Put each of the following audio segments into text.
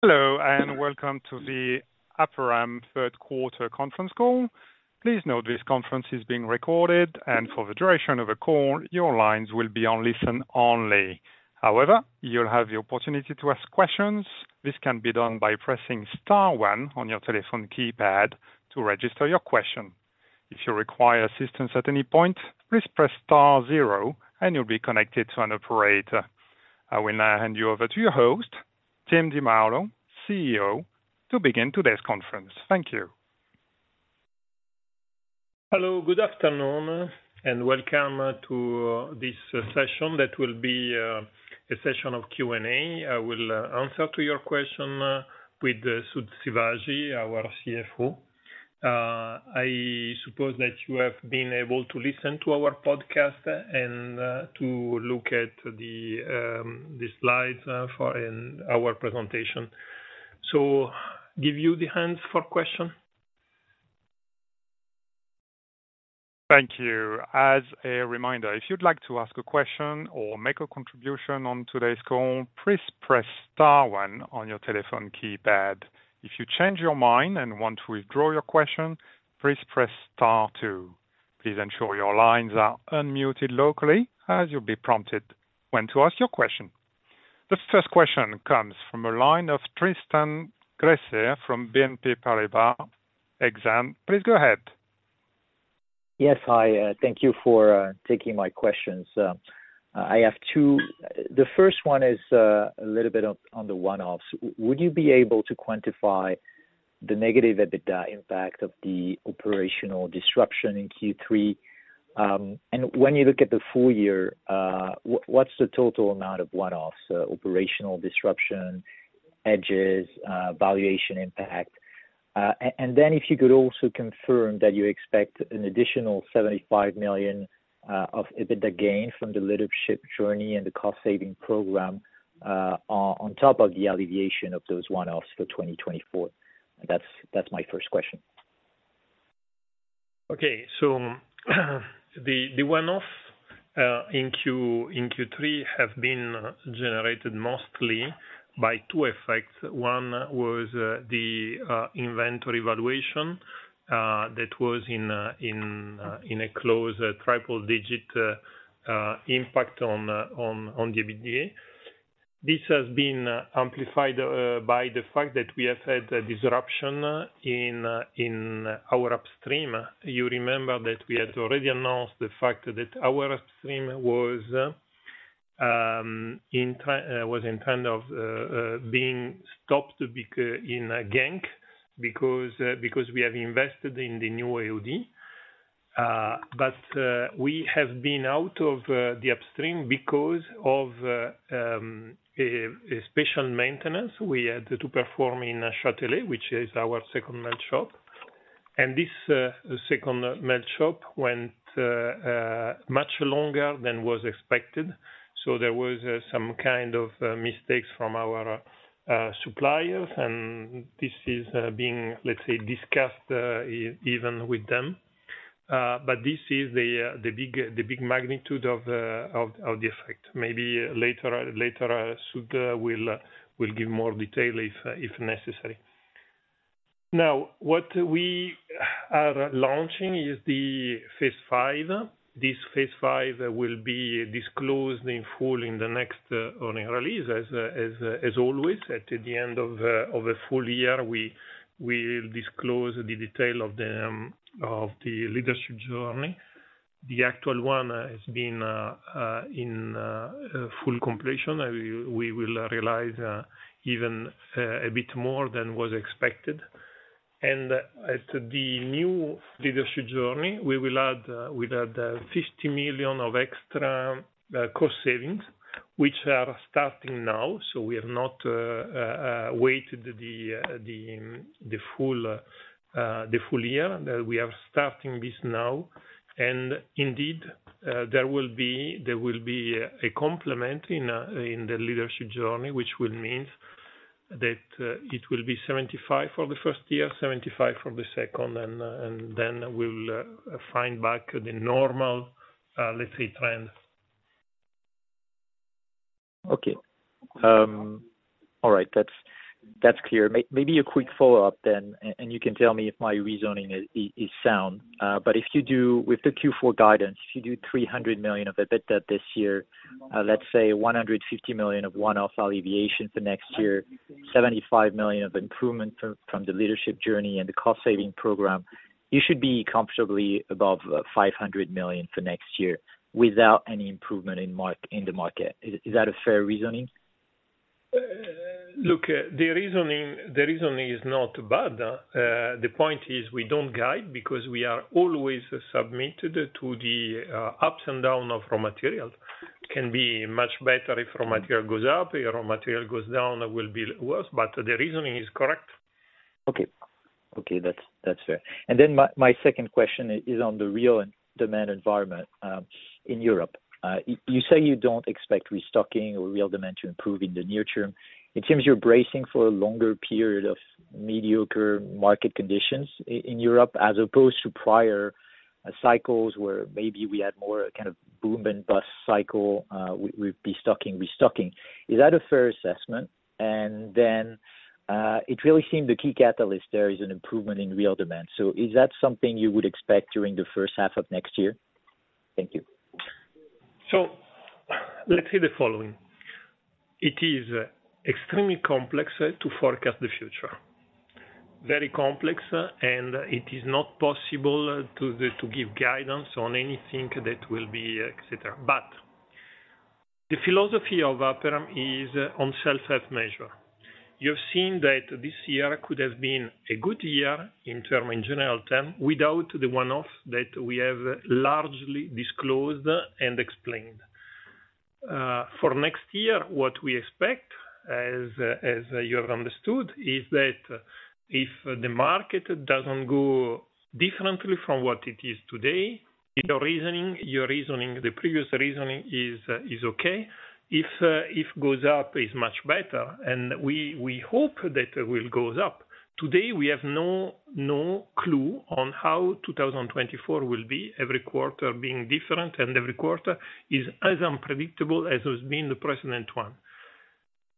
Hello, and welcome to the Aperam Third Quarter Conference Call. Please note this conference is being recorded, and for the duration of the call, your lines will be on listen only. However, you'll have the opportunity to ask questions. This can be done by pressing star one on your telephone keypad to register your question. If you require assistance at any point, please press star zero, and you'll be connected to an operator. I will now hand you over to your host, Tim Di Maulo, CEO, to begin today's conference. Thank you. Hello, good afternoon, and welcome to this session that will be a session of Q&A. I will answer to your question with Sud Sivaji, our CFO. I suppose that you have been able to listen to our podcast and to look at the slides for in our presentation. So give you the hands for question. Thank you. As a reminder, if you'd like to ask a question or make a contribution on today's call, please press star one on your telephone keypad. If you change your mind and want to withdraw your question, please press star two. Please ensure your lines are unmuted locally as you'll be prompted when to ask your question. The first question comes from a line of Tristan Gresser from BNP Paribas Exane. Please go ahead. Yes. Hi, thank you for taking my questions. I have two. The first one is a little bit on the one-offs. Would you be able to quantify the negative EBITDA impact of the operational disruption in Q3? And when you look at the full year, what's the total amount of one-offs, operational disruption, hedges, valuation impact? And then if you could also confirm that you expect an additional 75 million of EBITDA gain from the Leadership Journey and the cost saving program, on top of the alleviation of those one-offs for 2024. That's my first question. Okay. So, the one-off in Q3 have been generated mostly by two effects. One was the inventory valuation that was in a close triple digit impact on the EBITDA. This has been amplified by the fact that we have had a disruption in our upstream. You remember that we had already announced the fact that our upstream was in term of being stopped in Genk because we have invested in the new AOD. But we have been out of the upstream because of a special maintenance we had to perform in Châtelet, which is our second melt shop. And this second melt shop went much longer than was expected. So there was some kind of mistakes from our suppliers, and this is being, let's say, discussed even with them. But this is the big magnitude of the effect. Maybe later Sud will give more detail if necessary. Now, what we are launching is the Phase 5. This Phase 5 will be disclosed in full in the next earnings release, as always, at the end of a full year, we'll disclose the detail of the Leadership Journey. The actual one has been in full completion. We will realize even a bit more than was expected. As to the new leadership journey, we will add, we'll add 50 million of extra cost savings, which are starting now. So we have not waited the full year. That we are starting this now, and indeed, there will be a complement in the leadership journey, which will mean that it will be 75 million for the first year, 75 million for the second, and then we'll find back the normal, let's say, trend. Okay. All right, that's clear. Maybe a quick follow-up then, and you can tell me if my reasoning is sound. But if you do with the Q4 guidance, if you do 300 million of EBITDA this year, let's say 150 million of one-off alleviation for next year, 75 million of improvement from the leadership journey and the cost saving program, you should be comfortably above 500 million for next year without any improvement in the market. Is that a fair reasoning? Look, the reasoning, the reasoning is not bad. The point is, we don't guide because we are always submitted to the ups and down of raw material. Can be much better if raw material goes up, if raw material goes down, it will be worse, but the reasoning is correct. Okay. Okay, that's, that's fair. And then my, my second question is on the real and demand environment in Europe. You say you don't expect restocking or real demand to improve in the near term. It seems you're bracing for a longer period of mediocre market conditions in Europe, as opposed to prior cycles, where maybe we had more a kind of boom and bust cycle with, with destocking, restocking. Is that a fair assessment? And then it really seemed the key catalyst there is an improvement in real demand. So is that something you would expect during the first half of next year? Thank you. So, let's say the following: it is extremely complex to forecast the future. Very complex, and it is not possible to give guidance on anything that will be et cetera. But the philosophy of Aperam is on self-help measure. You've seen that this year could have been a good year in term, in general term, without the one-off that we have largely disclosed and explained. For next year, what we expect, as you have understood, is that if the market doesn't go differently from what it is today, in your reasoning, your reasoning, the previous reasoning is, is okay. If, if goes up, is much better, and we, we hope that it will goes up. Today, we have no, no clue on how 2024 will be, every quarter being different, and every quarter is as unpredictable as has been the precedent one.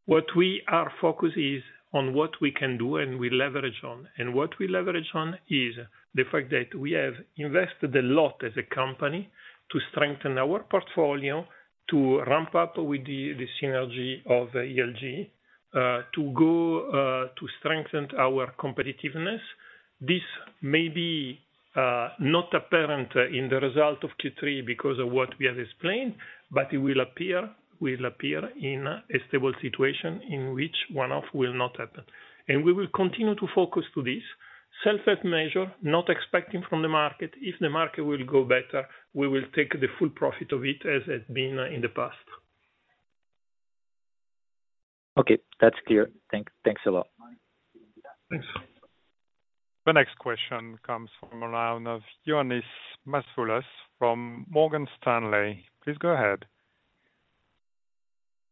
What we are focused is on what we can do and we leverage on, and what we leverage on is the fact that we have invested a lot as a company to strengthen our portfolio, to ramp up with the, the synergy of ELG, to go, to strengthen our competitiveness. This may be not apparent in the result of Q3 because of what we have explained, but it will appear, will appear in a stable situation in which one-off will not happen. And we will continue to focus to this. Self-help measure, not expecting from the market. If the market will go better, we will take the full profit of it, as has been in the past. Okay, that's clear. Thanks a lot. Thanks. The next question comes from Ioannis Masvoulas of Morgan Stanley. Please go ahead.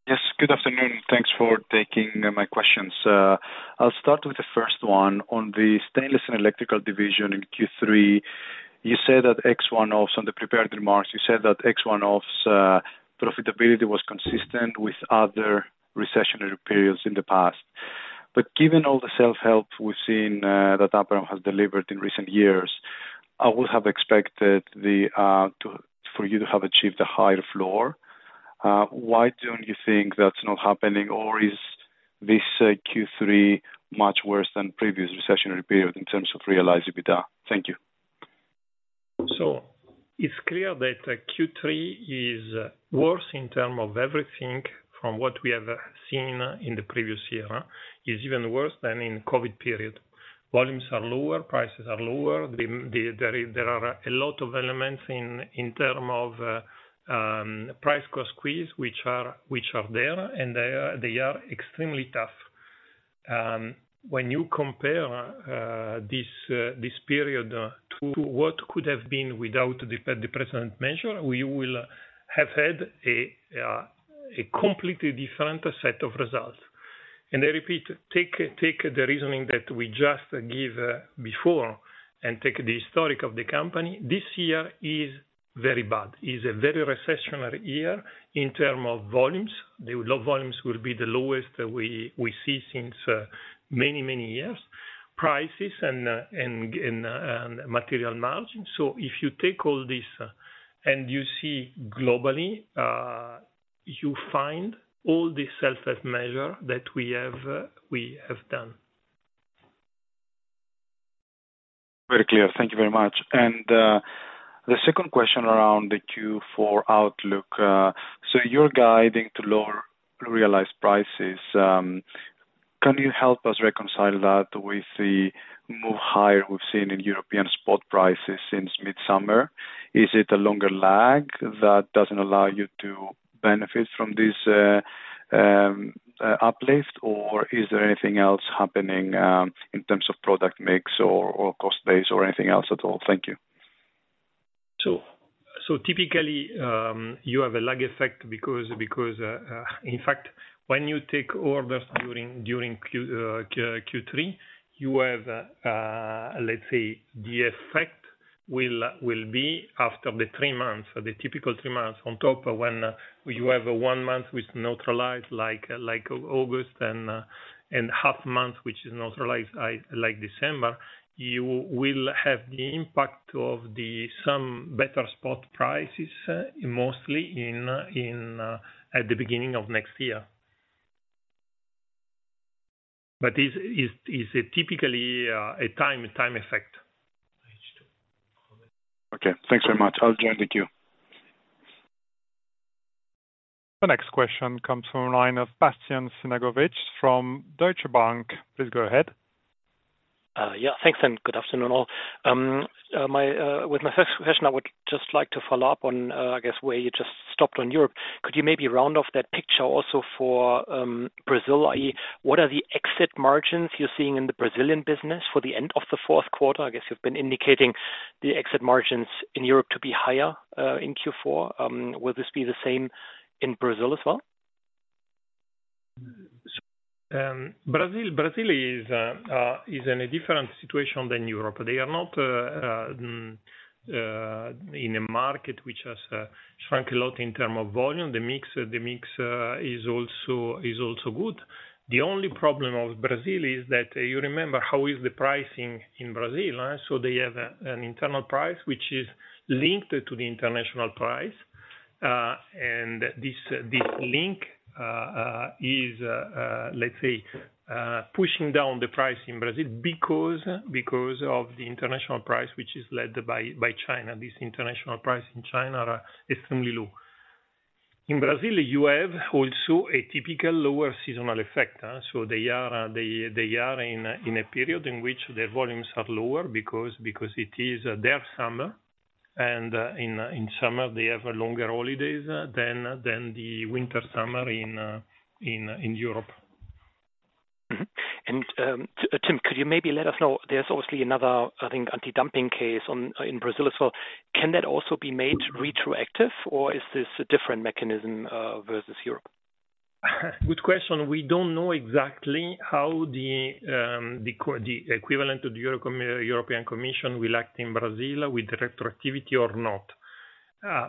Yes, good afternoon. Thanks for taking my questions. I'll start with the first one. On the stainless and electrical division in Q3, you said that ex one-offs, on the prepared remarks, you said that ex one-offs, profitability was consistent with other recessionary periods in the past. But given all the self-help we've seen that Aperam has delivered in recent years, I would have expected for you to have achieved a higher floor. Why don't you think that's not happening, or is this Q3 much worse than previous recessionary period in terms of realized EBITDA? Thank you. So it's clear that Q3 is worse in terms of everything from what we have seen in the previous year, is even worse than in COVID period. Volumes are lower, prices are lower. There are a lot of elements in terms of price cost squeeze, which are there, and they are extremely tough. When you compare this period to what could have been without the precedent measure, we will have had a completely different set of results. And I repeat, take the reasoning that we just gave before and take the history of the company, this year is very bad. It is a very recessionary year in terms of volumes. The low volumes will be the lowest we see since many years. Prices and material margin. So if you take all this and you see globally, you find all the self-help measure that we have, we have done. Very clear. Thank you very much. And, the second question around the Q4 outlook, so you're guiding to lower realized prices. Can you help us reconcile that with the more higher we've seen in European spot prices since midsummer? Is it a longer lag that doesn't allow you to benefit from this, uplift, or is there anything else happening, in terms of product mix or, or cost base or anything else at all? Thank you. So, typically, you have a lag effect because, in fact, when you take orders during Q3, you have, let's say, the effect will be after the three months, the typical three months. On top of when you have a one month which neutralize, like August and half month, which is neutralized, like December, you will have the impact of the some better spot prices, mostly in at the beginning of next year. But is a typically a time effect. Okay. Thanks very much. I'll join the queue. The next question comes from a line of Bastian Synagowitz from Deutsche Bank. Please go ahead. Yeah, thanks, and good afternoon, all. With my first question, I would just like to follow up on, I guess, where you just stopped on Europe. Could you maybe round off that picture also for Brazil? I.e., what are the exit margins you're seeing in the Brazilian business for the end of the fourth quarter? I guess you've been indicating the exit margins in Europe to be higher in Q4. Will this be the same in Brazil as well? Brazil is in a different situation than Europe. They are not in a market which has shrunk a lot in terms of volume. The mix is also good. The only problem of Brazil is that you remember how is the pricing in Brazil? So they have an internal price which is linked to the international price... and this link is, let's say, pushing down the price in Brazil because of the international price, which is led by China. This international price in China are extremely low. In Brazil, you have also a typical lower seasonal effect, so they are in a period in which their volumes are lower because it is their summer, and in summer, they have longer holidays than the winter summer in Europe. And, Tim, could you maybe let us know, there's obviously another, I think, anti-dumping case on in Brazil as well. Can that also be made retroactive, or is this a different mechanism versus Europe? Good question. We don't know exactly how the equivalent to the European Commission will act in Brazil with the retroactivity or not.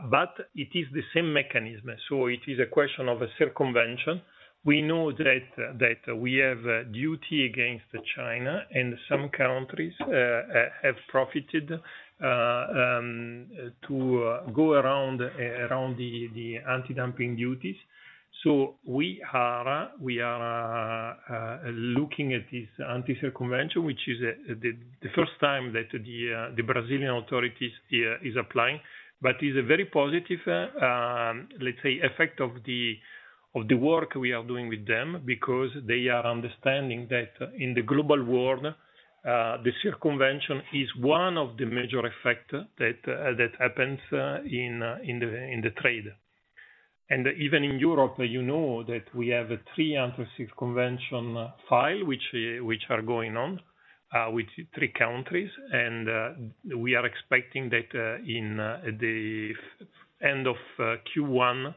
But it is the same mechanism, so it is a question of a circumvention. We know that we have a duty against China, and some countries have profited to go around the anti-dumping duties. So we are looking at this anti-circumvention, which is the first time that the Brazilian authorities here is applying. But is a very positive, let's say, effect of the work we are doing with them because they are understanding that in the global world, the circumvention is one of the major effect that happens in the trade. Even in Europe, you know that we have three anti-circumvention filings, which are going on with three countries. We are expecting that in the end of Q1,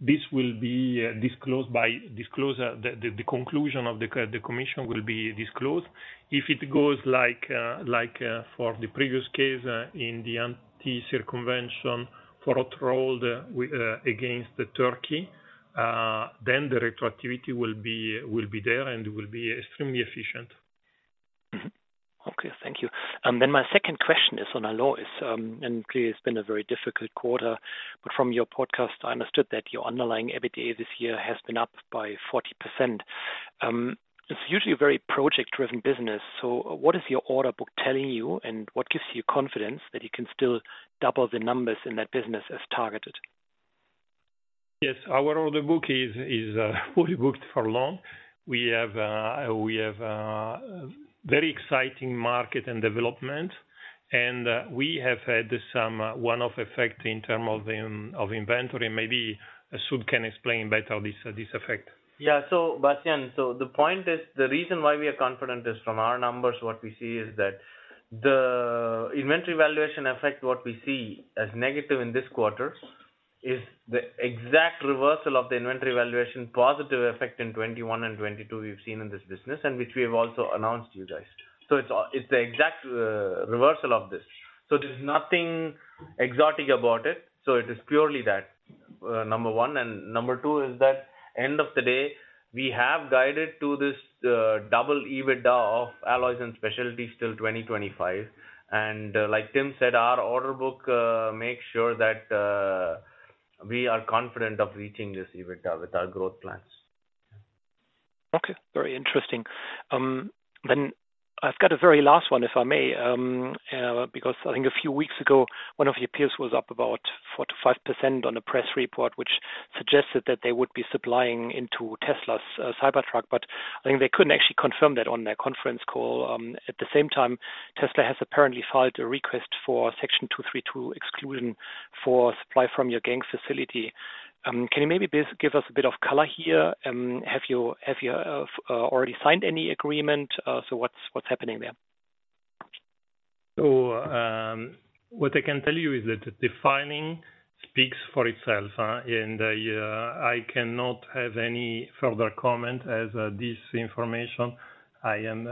this will be disclosed by the conclusion of the Commission will be disclosed. If it goes like for the previous case in the anti-circumvention for hot-rolled against Turkey, then the retroactivity will be there and will be extremely efficient. Okay, thank you. Then my second question is on alloys, and clearly it's been a very difficult quarter, but from your podcast, I understood that your underlying EBITDA this year has been up by 40%. It's usually a very project-driven business, so what is your order book telling you? And what gives you confidence that you can still double the numbers in that business as targeted? Yes. Our order book is fully booked for long. We have very exciting market and development, and we have had some one-off effect in term of inventory. Maybe Sud can explain better this effect. Yeah, so Bastian, so the point is, the reason why we are confident is from our numbers. What we see is that the inventory valuation effect, what we see as negative in this quarter, is the exact reversal of the inventory valuation positive effect in 2021 and 2022 we've seen in this business, and which we have also announced you guys. So it's all, it's the exact reversal of this. So there's nothing exotic about it, so it is purely that, number one, and number two is that end of the day, we have guided to this double EBITDA of alloys and specialties till 2025. And, like Tim said, our order book makes sure that we are confident of reaching this EBITDA with our growth plans. Okay, very interesting. Then I've got a very last one, if I may. Because I think a few weeks ago, one of your peers was up about 4%-5% on a press report, which suggested that they would be supplying into Tesla's Cybertruck, but I think they couldn't actually confirm that on their conference call. At the same time, Tesla has apparently filed a request for Section 232 exclusion for supply from your Genk facility. Can you maybe give us a bit of color here? Have you already signed any agreement? So what's happening there? What I can tell you is that the filing speaks for itself, and I cannot have any further comment, as this information I am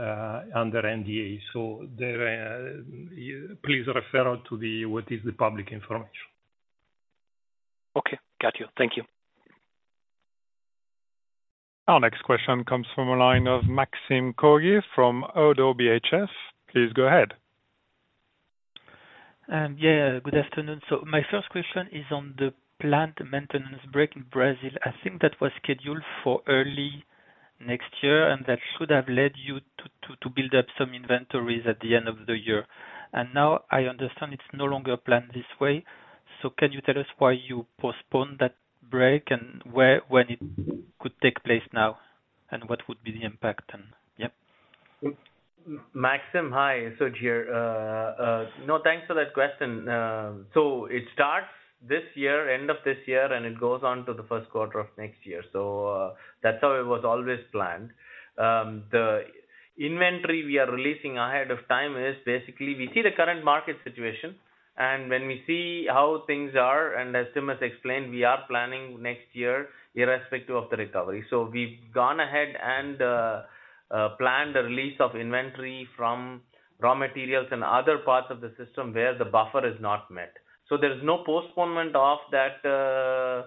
under NDA. So there, you please refer to what is the public information. Okay. Got you. Thank you. Our next question comes from a line of Maxime Kogge from Oddo BHF. Please go ahead. Yeah, good afternoon. So my first question is on the plant maintenance break in Brazil. I think that was scheduled for early next year, and that should have led you to build up some inventories at the end of the year. And now I understand it's no longer planned this way. So can you tell us why you postponed that break, and where, when it could take place now, and what would be the impact then? Yep. Maxime, hi. Sud here. No, thanks for that question. So it starts this year, end of this year, and it goes on to the first quarter of next year. So, that's how it was always planned. The inventory we are releasing ahead of time is basically, we see the current market situation, and when we see how things are, and as Tim has explained, we are planning next year irrespective of the recovery. So we've gone ahead and planned the release of inventory from raw materials and other parts of the system where the buffer is not met. So there's no postponement of that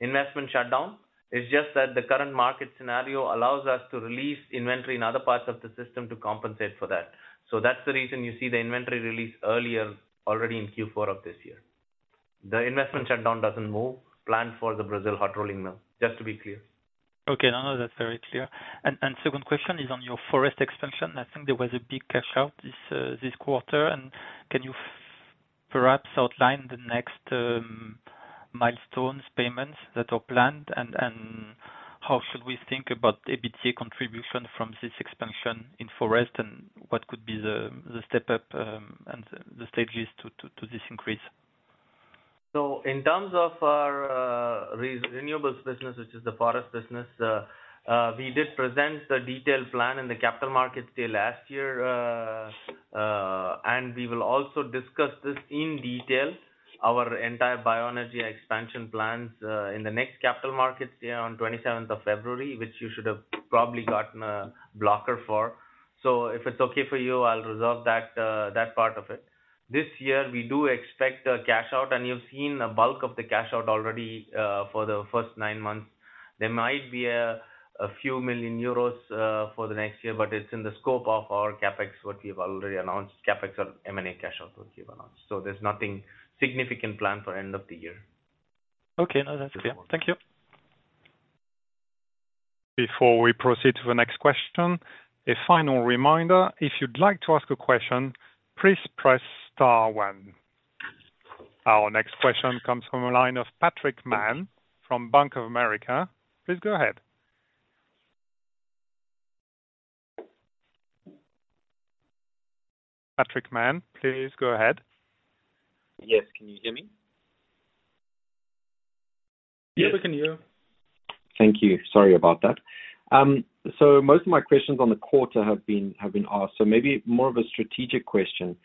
investment shutdown. It's just that the current market scenario allows us to release inventory in other parts of the system to compensate for that. So that's the reason you see the inventory release earlier, already in Q4 of this year. The investment shutdown doesn't move plan for the Brazil hot rolling mill, just to be clear. Okay, no, no, that's very clear. And, and second question is on your forest expansion. I think there was a big cash out this, this quarter. And can you perhaps outline the next, milestones, payments that are planned? And, and how should we think about EBITDA contribution from this expansion in forest, and what could be the, the step up, and the, the stages to, to, this increase? So in terms of our renewables business, which is the forest business, we did present the detailed plan in the capital markets day last year. And we will also discuss this in detail, our entire bioenergy expansion plans, in the next capital markets, yeah, on 27th of February, which you should have probably gotten a blocker for. So if it's okay for you, I'll reserve that part of it. This year, we do expect a cash out, and you've seen a bulk of the cash out already, for the first nine months. There might be a few million EUR for the next year, but it's in the scope of our CapEx, what we've already announced, CapEx of M&A cash out what we've announced. So there's nothing significant planned for end of the year. Okay. No, that's clear. Thank you. Before we proceed to the next question, a final reminder, if you'd like to ask a question, please press star one. Our next question comes from a line of Patrick Mann from Bank of America. Please go ahead. Patrick Mann, please go ahead. Yes. Can you hear me? Yes, we can hear you. Thank you. Sorry about that. So most of my questions on the quarter have been, have been asked, so maybe more of a strategic question.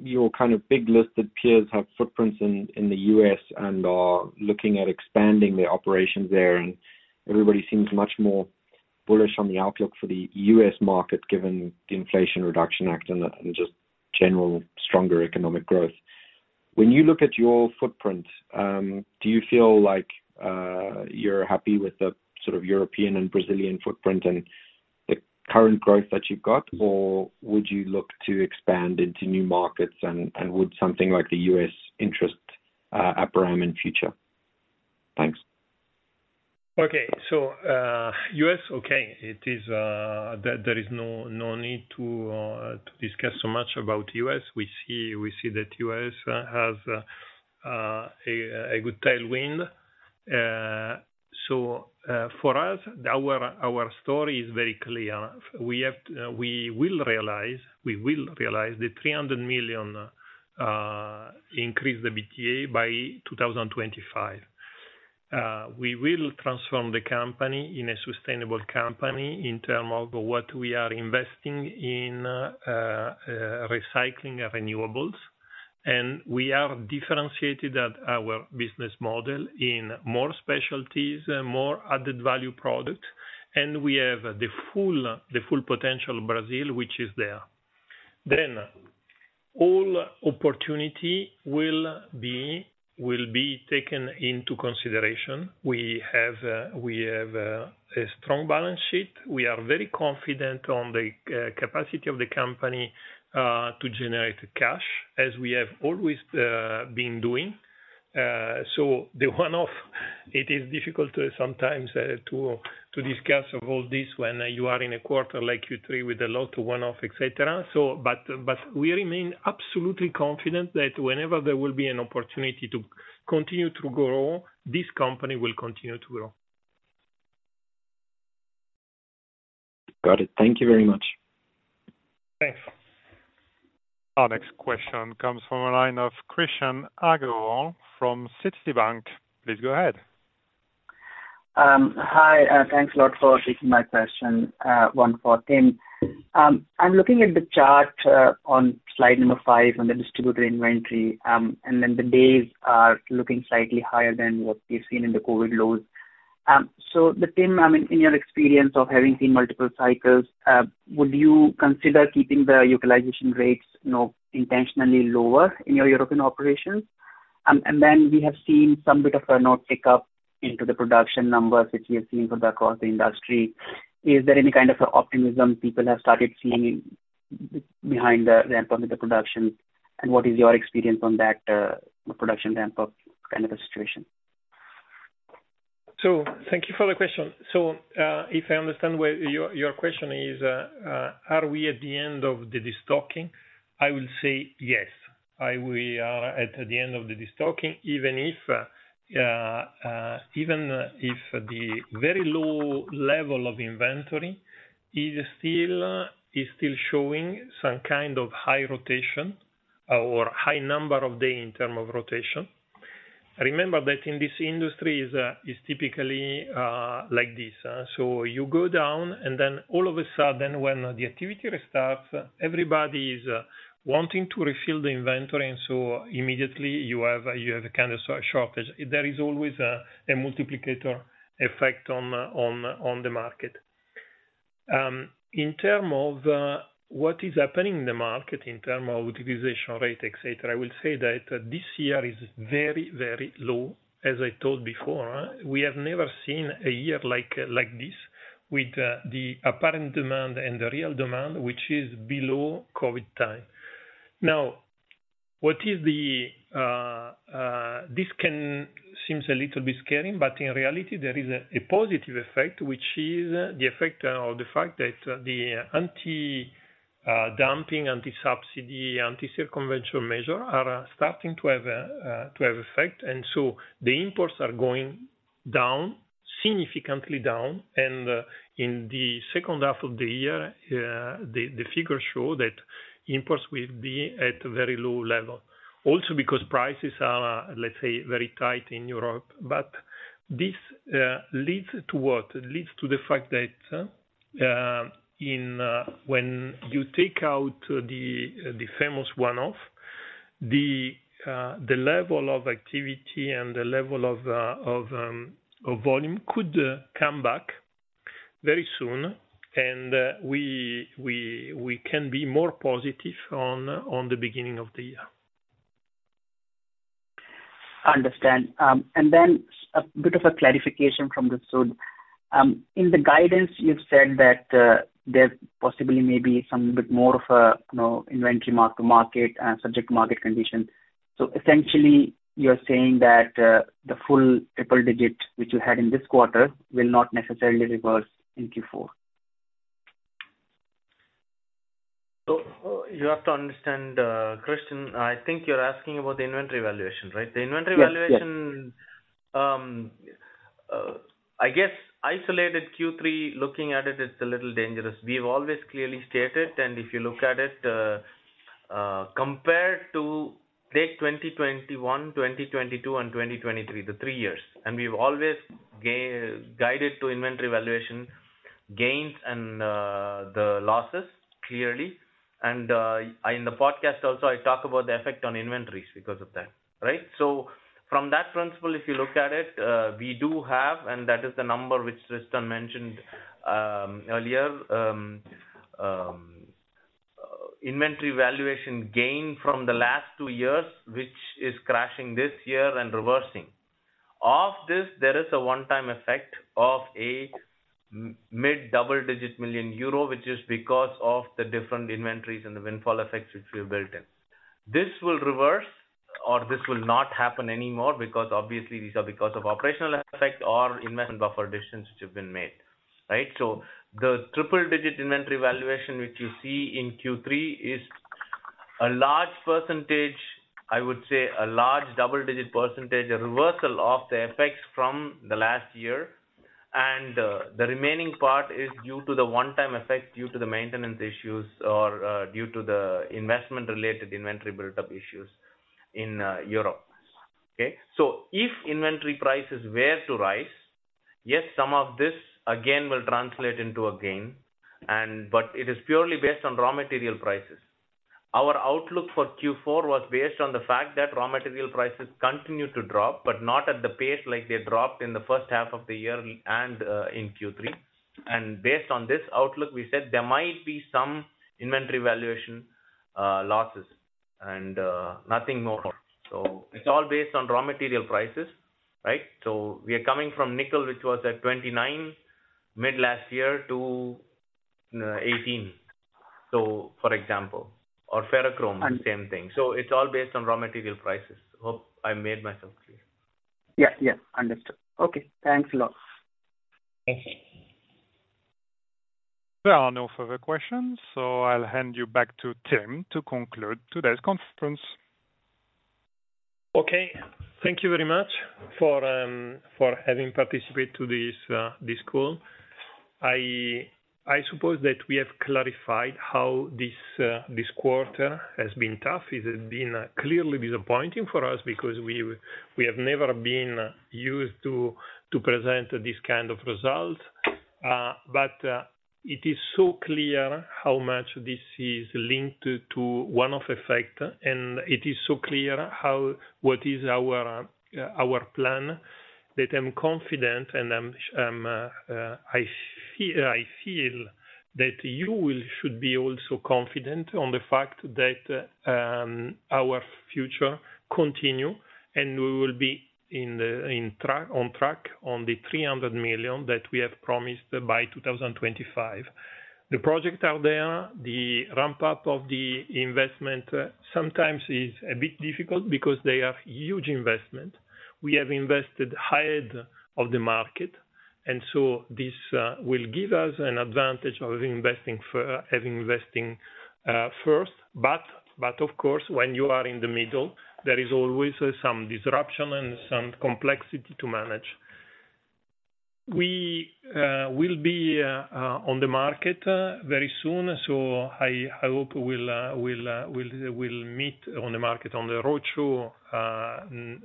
Your kind of big listed peers have footprints in, in the U.S. and are looking at expanding their operations there, and everybody seems much more bullish on the outlook for the U.S. market, given the Inflation Reduction Act and the, and just general stronger economic growth. When you look at your footprint, do you feel like you're happy with the sort of European and Brazilian footprint and the current growth that you've got? Or would you look to expand into new markets, and would something like the U.S. interest Aperam in future? Thanks. Okay. So, US, okay, it is, there is no need to discuss so much about US. We see that US has a good tailwind. So, for us, our story is very clear. We have to... We will realize the 300 million increase the EBITDA by 2025. We will transform the company in a sustainable company in terms of what we are investing in, recycling renewables. And we have differentiated at our business model in more specialties, more added value product, and we have the full potential Brazil, which is there. Then, all opportunity will be taken into consideration. We have a strong balance sheet. We are very confident on the capacity of the company to generate cash, as we have always been doing. So the one-off, it is difficult to sometimes to discuss about this when you are in a quarter like Q3 with a lot of one-off, et cetera. But we remain absolutely confident that whenever there will be an opportunity to continue to grow, this company will continue to grow. Got it. Thank you very much. Thanks. Our next question comes from a line of Krishan Agarwal from Citi. Please go ahead. Hi, thanks a lot for taking my question, one for Tim. I'm looking at the chart on slide number 5 on the distributor inventory, and then the days are looking slightly higher than what we've seen in the COVID lows. So but Tim, I mean, in your experience of having seen multiple cycles, would you consider keeping the utilization rates, you know, intentionally lower in your European operations? And then we have seen some bit of a not pick up into the production numbers, which we have seen across the industry. Is there any kind of optimism people have started seeing behind the ramp on the production, and what is your experience on that, production ramp up kind of a situation? So thank you for the question. So, if I understand where your, your question is, are we at the end of the destocking? I will say yes, I, we are at the end of the destocking, even if, even if the very low level of inventory is still, is still showing some kind of high rotation or high number of day in term of rotation. Remember that in this industry is, is typically, like this, so you go down, and then all of a sudden, when the activity restarts, everybody is wanting to refill the inventory, and so immediately you have, you have a kind of sort of shortage. There is always a, a multiplicator effect on, on, on the market. In terms of what is happening in the market, in terms of utilization rate, et cetera, I will say that this year is very, very low, as I told before. We have never seen a year like this with the apparent demand and the real demand, which is below COVID time. Now, this can seem a little bit scary, but in reality, there is a positive effect, which is the effect or the fact that the anti-dumping, anti-subsidy, anti-circumvention measures are starting to have to have effect. And so the imports are going down, significantly down, and in the second half of the year, the figures show that imports will be at a very low level. Also, because prices are, let's say, very tight in Europe. But this leads to what? It leads to the fact that, when you take out the famous one-off, the level of activity and the level of volume could come back very soon, and we can be more positive on the beginning of the year. Understand. And then a bit of a clarification from Sud. In the guidance, you've said that, there possibly may be some bit more of a, you know, inventory mark-to-market, subject to market conditions. So essentially, you're saying that, the full triple digit, which you had in this quarter, will not necessarily reverse in Q4? So, you have to understand, Christian, I think you're asking about the inventory valuation, right? Yes, yes. The inventory valuation, I guess isolated Q3, looking at it, it's a little dangerous. We've always clearly stated, and if you look at it, compared to say, 2021, 2022 and 2023, the three years, and we've always guided to inventory valuation gains and the losses, clearly. And in the podcast also, I talk about the effect on inventories because of that, right? So from that principle, if you look at it, we do have, and that is the number which Tristan mentioned earlier, inventory valuation gain from the last two years, which is crashing this year and reversing. Of this, there is a one-time effect of a mid-double-digit million EUR, which is because of the different inventories and the windfall effects which we have built in. This will reverse, or this will not happen anymore because obviously, these are because of operational effect or investment buffer decisions which have been made, right? So the triple digit inventory valuation, which you see in Q3, is a large percentage, I would say a large double-digit percentage, a reversal of the effects from the last year. The remaining part is due to the one-time effect, due to the maintenance issues or, due to the investment-related inventory buildup issues in Europe. Okay, so if inventory prices were to rise, yes, some of this again, will translate into a gain, and but it is purely based on raw material prices. Our outlook for Q4 was based on the fact that raw material prices continued to drop, but not at the pace like they dropped in the first half of the year and in Q3. Based on this outlook, we said there might be some inventory valuation losses and nothing more. It's all based on raw material prices, right? We are coming from nickel, which was at $29,000 mid-last year, to $18,000. For example, or ferrochrome, the same thing. It's all based on raw material prices. Hope I made myself clear. Yeah, yeah. Understood. Okay, thanks a lot. Thank you. There are no further questions, so I'll hand you back to Tim to conclude today's conference. Okay, thank you very much for having participate to this call. I suppose that we have clarified how this quarter has been tough. It has been clearly disappointing for us because we have never been used to present this kind of result. But it is so clear how much this is linked to one-off effect, and it is so clear how what is our plan, that I'm confident and I feel that you will should be also confident on the fact that our future continue, and we will be on track on the 300 million that we have promised by 2025. The projects are there. The ramp up of the investment sometimes is a bit difficult because they are huge investment. We have invested ahead of the market, and so this will give us an advantage of investing for, investing, first. But of course, when you are in the middle, there is always some disruption and some complexity to manage. We will be on the market very soon, so I hope we'll meet on the market, on the roadshow,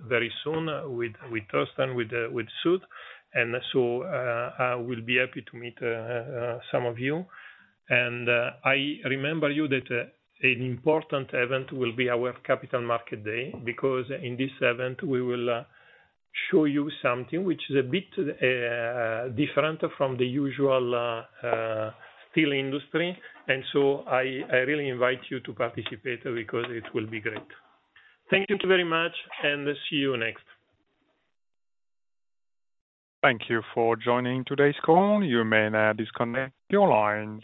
very soon, with Torsten, with Sud. And so, I will be happy to meet some of you. I remember you that an important event will be our capital market day, because in this event, we will show you something which is a bit different from the usual steel industry. And so I really invite you to participate, because it will be great. Thank you very much, and see you next. Thank you for joining today's call. You may now disconnect your lines.